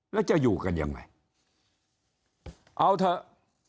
แล้วจะอยู่กันยังไงเอาเถอะ